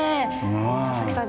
佐々木さん